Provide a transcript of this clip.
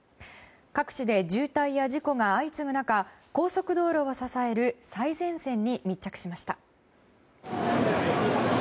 各地で渋滞や事故が相次ぐ中高速道路を支える最前線に密着しました。